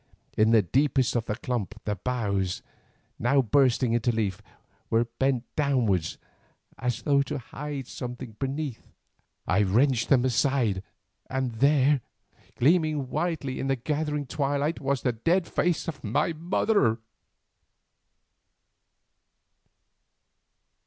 In the deepest of the clump the boughs, now bursting into leaf, were bent downwards as though to hide something beneath. I wrenched them aside, and there, gleaming whitely in the gathering twilight was the dead face of my mother.